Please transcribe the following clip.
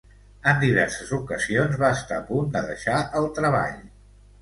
En diverses ocasions va estar a punt de deixar el treball.